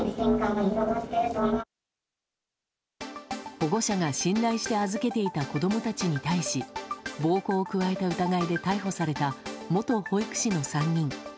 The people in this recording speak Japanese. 保護者が信頼して預けていた子供たちに対し暴行を加えた疑いで逮捕された元保育士の３人。